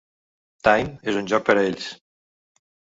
Time: ‘És un joc per a ells’.